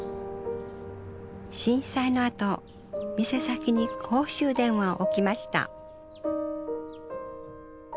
震災のあと店先に公衆電話を置きました